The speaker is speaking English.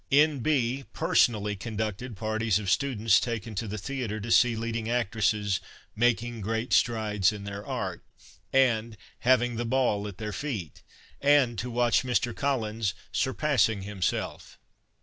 N.B. — Personally conducted parties of students taken to the theatre to see leading actresses " making great strides in their art " and " having the ball at their feet " and to watch Mr. Collins " surpassing himself."